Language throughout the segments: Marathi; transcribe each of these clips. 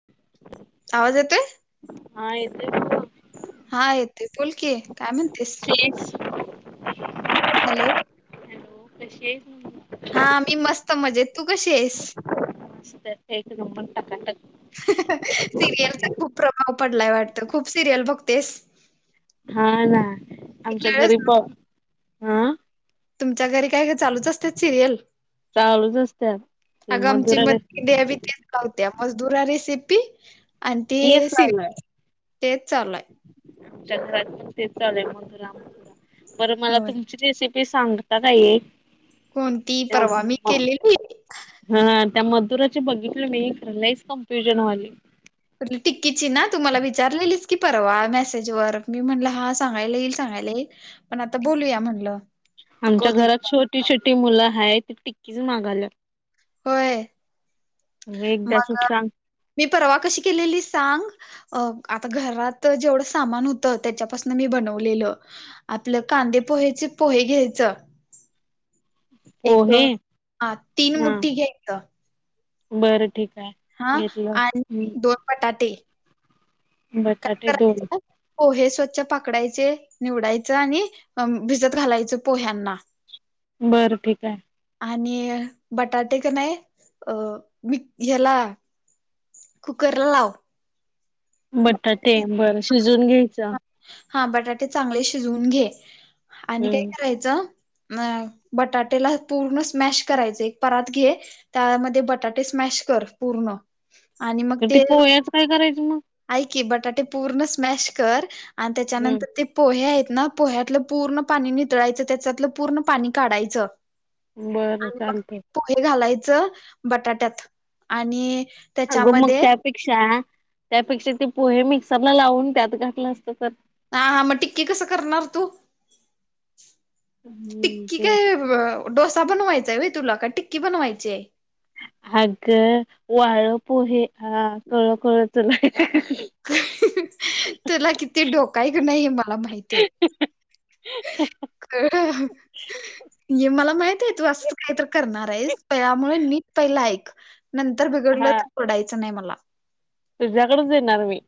[inaudible] आवाज येतोय हा येतोय की ओ हा येतोय बोल की काय म्हणतीस? तीस [inaudible] हॅलो हॅलो कशी आहे म्हंटलं हा मी मस्त मजेत तू कशी आहेस? मस्त एक नंबर टकाटक सिरियलचा खूप प्रभाव पडलाय वाटतं खूप सिरियल बघतेस हा ना आमच्या कळच घरी पॉ आं तुमच्या घरी काय हे चालूच असत्यात सिरियल चालूच असत्यात ते मधुरा रेसि त्या मधुरा रेसिपी आणि तेच ते चालू आहे सिरीयल तेच चालू हाय आमच्या घरात पण तेच चालू आहे मधुरा मधुरा परत मला होय तू रेसिपी सांगता काय एक कोणती, परवा मी केलेली? हं, त्या मधुराचे बघितलं मी, खर लईचं कन्फ्युजन व्हायलं. ति टिक्कीची ना, तुम्हाला विचारलेलीच की परवा मेसेज वर मी म्हणलं हा सांगायला येईल, सांगयला येई, पण आता बोलूया म्हनलं आमच्या घरात छोटी-छोटी मुलं आहेत, ति टिक्कीच मागायल्या होय, एकदाच मग सांग मी परवा कशी केलेली सांग? अं आता घरात जेवढं सामान होतं, त्याच्यापासून मी बनवलेलं. आपलं कांदे पोहेचे, पोहे घ्यायचं- एक, पोहे हा तीन मुट्ठी घ्यायचं बरं ठीक हाय. हां आन, दोन बटाटे काय बटाटे दोन. करायचं पोहे स्वच्छ पाखडायचे, निवडायचं आणि म भिजत घालायचं पोह्यांना बरं ठीक आहे. आणि बटाटे का नाही, अ वी ह्याला कुकरला लाव बटाटे, बरं शिजून घ्यायचं. हां बटाटे चांगले शिजवून घे आणि काय हम्म कराय चं, बटाटेला पूर्ण स्मॅश करायच, एक परात घे त्यामध्ये बटाटे स्मॅश कर, पूर्ण. तर त पोहयाच काय करायच, मग? आईकी बटाटे पूर्ण स्मॅश कर आणि हम्म त्याच्यानंतर ते पोहे आहेत ना, पोह्यातलं पूर्ण पाणी नितळायचं, त्याच्यातलं पूर्ण पाणी काढायचं. बरं, आणि चालतय. [unintelligible] घालायचं बटाट्यात आणि अगं मग त्याच्यामध्ये त्यापेक्षा, त्यापेक्षा ते पोहे मिक्सरला लावून त्यात घातलं असतं तर? हां हां मग टिक्की कसं करणार तु? टिक्की म्हणजे काय? व डोसा बनवायचाय व तुला, का टिक्की बनवायचीय? अगं वाळ पोहे हां, कळ कळ च [unintelligible] हं अं, तुला किती डोक हाय का नाही मला माहितीये. हं ह हं. खहं हं. ये, मला माहित ए तू असंचं काहीतर करणार आहेस, त यामुळे नीट पहिलं ऐक. नंतर बिघडलं, तर ओरडायचं नाही मला. तुझ्याकडच येणार मी.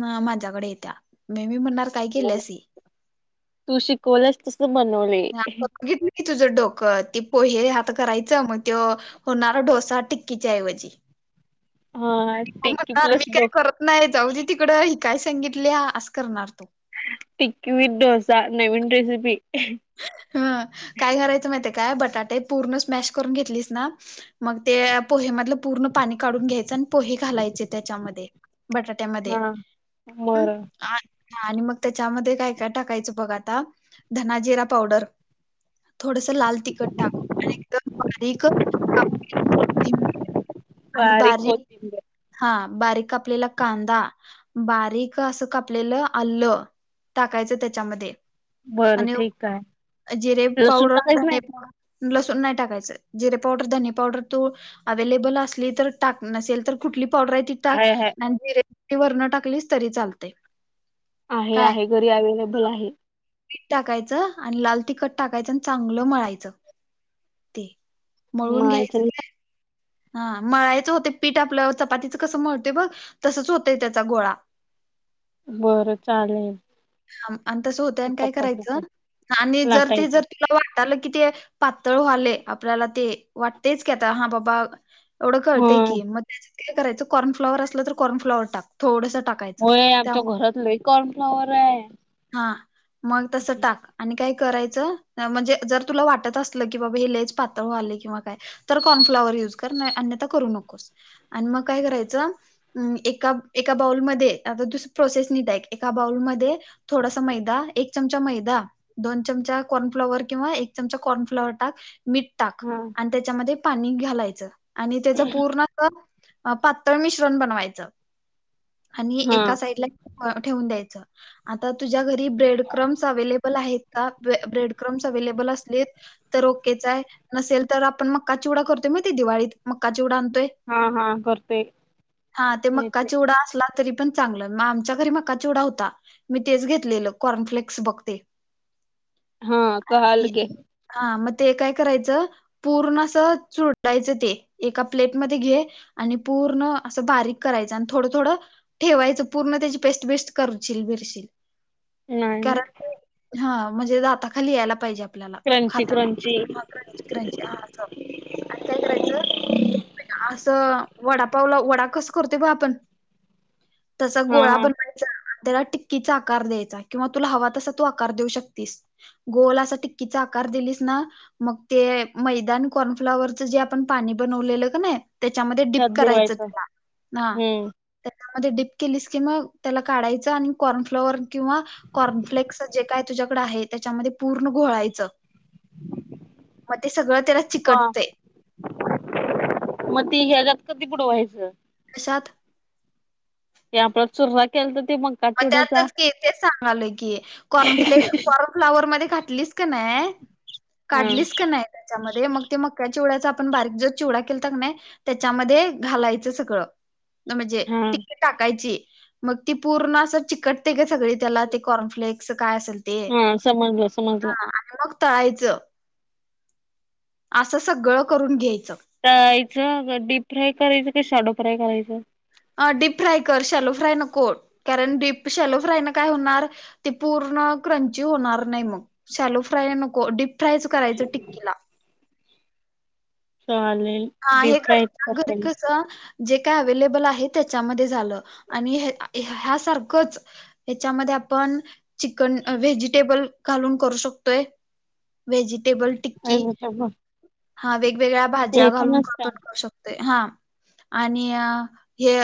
ना माझ्याकडे येत्या, मेह मी म्हणणार काय केल्यास हे? तू शिकवलस तस बनवलेय. आता बघितलं तुझं डोकं, ती पोहे हात करायचं मग त्यो, होणारा डोसा टिक्कीच्या ऐवजी. हा हो टिक्की म्हणणार, मी प्लस काही डो करत नाही, जाऊ दे तिकड, ही काय सांगितल्या असं करणार तू. टिक्की विथ डोसा, नवीन रेसिपी. हं, काय घरायचं माहितीये काय, बटाटे पूर्ण स्मॅश करून घेतलीस ना मग ते पोहेमधल पूर्ण पाणी काढून घ्यायचं अन पोहे घालायचे त्याच्यामध्ये, बटाट ट्या मध्ये हा. बरं [unintelligible] हां आणि मग त्याच्यामध्ये काय-काय टाकायचं बघ आता, धना-जिरा पावडर थोडंसं लांल तिखंट टांक आणि एकदंम बारीक कापलेली कोथिंबीर. बारीक कोथींबीर. हां बारीक‌ कापल्यांला कांदा बारीक असं कापलेलं आल्लं टाकायचं त्यांच्यामध्यें. बरं ठीक हांय. जिरे पावडर धने पावडर लसूणं नाहीं टाकायचं जिरे पावडर धनी पावडर तूं अवेलेबल असली तरी टांक नसेल तरं कुंठली पावडर आहे तिऽ टांक हाय हाय मिरे वरंन टाकलीस तरी चालतेंय आहे आहे घरी अवेलेबल आहे. मीठ टाकायचं आणि लांल तिखटं टाकायचं आणि चांगलं मळायचं ते. मळूंन घ्यायचं मायचं ते हां मळायचं होतं पीठ आपल्यांवर चपातीचं कसं मळतंय बघं तसंच होतंय त्यांचा गोळां. बरं चालेल. हं आणि तसं होतंय आणि कायं चपाती करायचं पण आणि जरं ते लाटायचं जरं आपल्या वाटालं कि ते पातंळ वालेय आपल्यांला ते वाटतेच की आंता हां बाबां एवढं ह कळतय की मं त्यांय करायंच कॉर्न फ्लावर असलं तरं कॉर्न फ्लॉवर टांक थोडंसं टांक होयं आमच्यां घरांत लंय कॉर्नफ्लावर हांय. हां मंग तसं टांक. आणि कायं करायचं म्हणजे जरं तुलां वाटतं असलं की बाबां हे लयंच पातळं वालय किंवा कायं. तरं कॉर्नफ्लाॉवर युंज करं अन्यंथा करूं नकोस. आणि मंग कायं करायचं अं एकां एकां बाउलमध्यें आंता तू प्रोसेस निट अईक एकां एकांऽ बाऊंल मध्यें थोडांसा मैदा एक चमचा मैदा दोन चमचा कॉर्नफ्लॉवर किंवा एक चमचा कॉर्नफ्लॉवर टांक. मीठ टांक हा आणि त्यांच्यामध्ये पाणी घालायचं आणि त्याचं पूर्णऽ पातळं मिश्रण बनवायचं आणि हा एकां सांइडलां ठेवूंन द्यायचंय. आंता तुझ्यां घरी ब्रेड क्रम्स अवे्हेलेबल आहेतं कां ब्रेड क्रम्स अव्हेलेबल असलेत तरं ओकेच आहे नसेल तरं आपणं मंग मकां चीवडा करतोय माहितीय दिवाळीत मंग मकाचीवडा आणतोय हा हा करते हां ते मक्कां माहिती चिवडा असलां तरी पणं चांगलं आमच्यां घरी मकां चिवडा होतंऽ तां मी तेचं घेतलेलं कॉर्नफ्लेक्स बघं ते. हां आणि कळालं की. हां मंग ते कायं करायचं. पूर्ण असं चुरटायचं ते एकां प्लेटमध्यें घे. आणि पूर्ण असं बारीक करायचं आणि थोडं थोडं ठेवायचं पूर्ण त्यांची पेस्ट बेस्ट करशील बिरशील नाहीं नाहीं हां म्हणजे दांता खाली यांयला पाहिजे आपल्याला क्रंची खाताना क्रंची हा क्रंची क्रंची हां असं आणि कायं करायचं असं वडांपावला वडां कसं करतोय बघं आपणं तसां हा गोळां हा बनवायचं त्यांला टिक्कीचा आकांर द्यांयचा किंवा तुंला हवां तसां तूं आकांर देऊं शकशील गोल असां टिक्कीचा आकांर दिलीसं नां मंग ते मैदान कॉर्नफ्लावरच जे आपणं पाणी बनवलेल कां नाहीं त्याच्यामध्ये त्यात डीप करायचं बुडवायचं हां, हां हम्म त्याच्यामध्ये डीप केलीस की मग त्याला काढायचं, आणि कॉर्नफ्लॉवर किंवा कॉर्नफ्लेक्स, जे काय तुझ्याकड आहे, त्याच्यामध्ये पूर्ण घोळायचं. मग ते सगळं त्याला पा, चिकटतंय मग ती ह्याच्यात कधी बूडवायच? कशात? ते आपन चुरमा केलता, ते मग मग त्यातच कि तेच सांगालोय की, कॉर्न फ्ले, कॉर्ण फ्लॉवर मधी घातलीस का नाय, हा काढलीस का नाय त्याच्यामध्ये मग ते मका चिवड्याचा आपण बारीक जो चिवडा केलता कि नाही, त्याच्यामध्ये घालायच सगळ त, म्हणजे हा टिक्की टाकायची, मग ती पूर्ण अस चिकटते गं सगळे त्याला, ते कॉर्नफ्लेक्स काय असेल ते, हा समजलं हा समजलं आणि मग तळायच, आस सगळ करून घ्यायच. तळायच का डीप फ्राय करायच का, शालो फ्राय करायच? अ डीप फ्राय कर, शॅलो फ्राय नको कारण डीप शॅलो फ्राय न काय होणार? ती पूर्ण क्रंची होणार नाही मग, शॅलो फ्राय नको डीप फ्रायच करायच टिक्कीला चालेल. आ, डीप हे फ्रायच घर-घर करते मी कसं जे काय अवेलेबल आहे, त्याच्यामध्ये झाल आणि हय ह्यासारखच याच्यामध्ये आपण, चिकन व्हेजिटेबल घालून करू शकतोय. व्हेजिटेबल टिक्की, व्हेजिटेबल हा वेगवेगळ्या भा ते पण असत शकतय, हां. आणि अ हे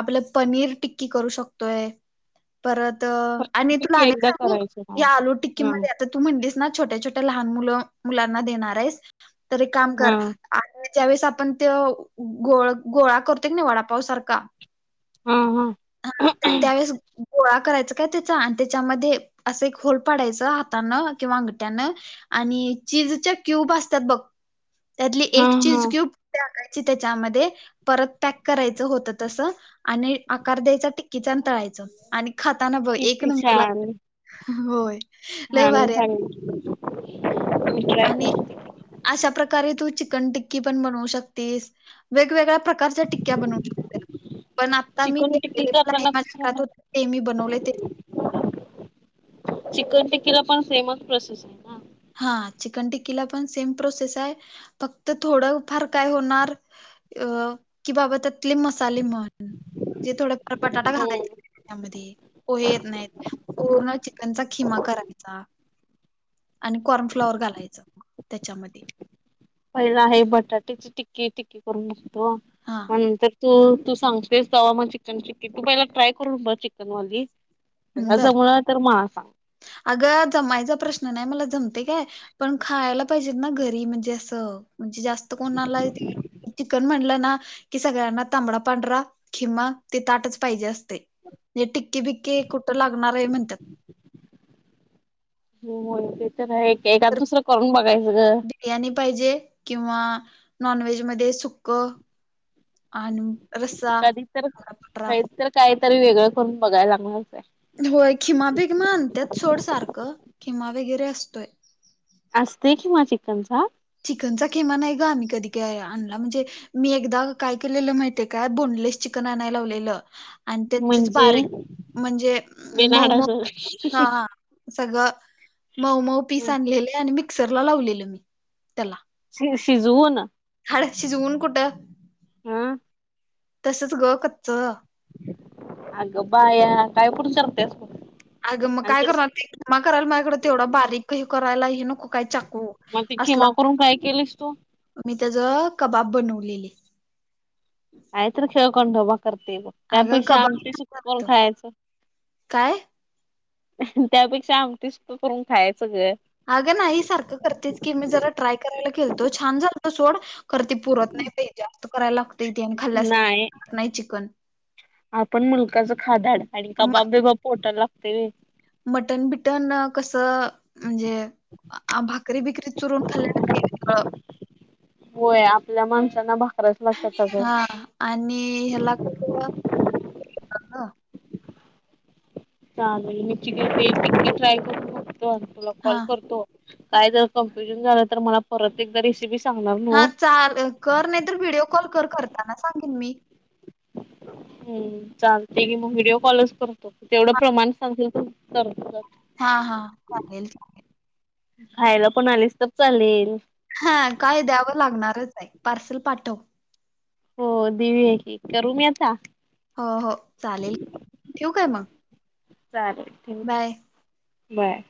आपल पनीर टिक्की करू शकतोय. परत आणि तुला की आणिक एकदा सांगु? करायचं हा या आलू टिक्की हा मध्ये त तू म्हणलीस ना, छोट्या-छोट्या लहान मुल-मुलांना देणार आहेस, त काम हा कर आणि ज्यावेेळेस आपण त्यो, गोळ-गोळा करतो का नाय वडापाव सारखा हम्म् हम्म् [unintelligible] हा त्यावेेळेस गोळा करायचा काय त्याचा आणि त्याच्यामध्ये अस एक होल पाडायच हातान किंवा अंगट्यान आणि चीजच्या क्यूब असतात बघ, त्यातली हा एक चीज हा क्यूब टाकायची त्याच्यामध्ये, परत पॅक करायच होत तस आणि आक् कार द्यायचा टिक्कीचा, आण तळायच आणि खाताना बघ एक किती नंबर छान लागतय [unintelligible] होय, लय छान भारीय [inaudible] आणि करते अशा प्रकारे तू चिकन टिक्की पण बनवू शकतीस, वेगवेगळ्या प्रका कारच्या टिक्या बनवू शकते पण आता मी चिकन टिक्की घेतलेले करताना कसं [unintelligible] [inaudible] होते करणार ते मी बनवले ते सांगितलं तुला. चिकन टिक्कीला पण, सेमच प्रोसेसये? हा चिकन टिक्कीला पण सेम प्रोसेस आहे, फक्त थोड फार काय होणार? अ की बाबा त्यातले मसाले म्हण, जे थोडफार बटाटा हो घालायचे त्यामध्ये पोहे येत नाहीत, पूर्ण चिकनचा खिमा करायचा. आणि कॉर्नफ्लॉवर घालायचं, त्याच्यामध्ये. पहिला आहे बटाट्याची टिक्की, टिक्की करून बघतो हां, म्हणून तर हो, तू सांगतेस दवा म चिकन चिक्की, तू पहिला ट्राय करून बघ चिकन मधी. त्याच्यामुळे तर म असा. आगं! जमायचा प्रश्न नाही, मला जमतय काय पण खायाला पाहिजेत ना घरी, म्हणजे असं म्हणजे जास्त कोणाला ते चिकन म्हणलं ना? कि सगळ्यांना तांबडा, पांढरा, खिमा ते ताटच पाहिजे असतय नी टिक्की, बिक्की कुठं लागणार हाय म्हणत्यात? हो हो ते तर हाय, एकाद तर दुसर करून बघायच ग. बिर्याणी पाहिजे किंवा नॉनव्हेज मध्ये सुक्क आनु कधी तर, काहीतर वेगळ करून बघायला लाागणारच हाय. होय, खिमा बिगमा आणत्यात सोड सारखं. खिमा वगैरे असतोय. असतोय खिमा चिकनचा? चिकनचा खिमा नाही ग, आम्ही कधी काय आणला म्हणजे मी एकदा काय केलेलं माहिती हाय का? बोनलेस चिकन आणायला लावलेलं आणि त्याचेच म्हणजे बारीक म्हणजे मऊ मऊ, बिनहाडाचं हा, हा. सगळं मऊ, मऊ पीस आणलेले आणि मिक्सरला लावलेलं मी त्यालां. शि, शिजवून हाड शिजवून कुठं? हं. तसच ग कच्च. आगं बाया! काय पण करत्यास बघ. आग म काय करणार मी, खिमा करायला माझ्याकडे तेवढा बारीक करायला हे नको. काय चाकू मग ती असला, खिमा करून काय केलीस तू? मी त्याच कबाब बनवलेले. काहीतर खेळखंडोबा करतय बघ. अगं त्यापेक्षा आमटी, सुक्क करून कबाब खायाच. काय त्यापेक्षा आमटी, सुक्क करून खायचं ग. आगं नाही सारखं करतेच की, मी जरा ट्राय करायला केलतो, छान झालतं सोड. खरं ते पुरत नाही बाई, जास्त करायला लाग नायी, आपण मुलखाच खादाड आणि कबाब बिबाप पोटाला लागतय होय. मटन बिटन अ कसं म्हणजे आ भाकरी बिकरी चुरून खाल्ल्या तर ते वेगळं. होय आपल्या माणसांना भाकऱ्याच हा आणि ह्याला कसं? चालेल, मी चिकन ग्रीन टिक्की ट्राय करून बघतो आणि तुला हा कॉल करतो. काय जर, कन्फ्युजन झालं तर मला परत एकदा रेसिपी सांगणार न्हव. हा चाल, कर नाही तर व्हिडिओ कॉल कर करताना सांगेन मी. हम् चालतय की मग व्हिडिओ कॉलच करतो. तेवढं प्रमाण सांगशील तेवढं करतो जातो. हा हा. सांगेल ठीक हाय. खायला पण आलीस तर चालेल. हा. काय द्यावं लागणारच हाय, पार्सल पाठव. हो, देऊ या की करू मी, आता हो हो. चालेल ठेवू काय मंग? चालेल, थँक्यू बाय.